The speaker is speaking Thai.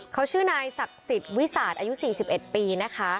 เขาชื่อนายศักดิ์สิทธิ์วิสัครอายุฉี่สิบเอ็ดปีนะคะครับ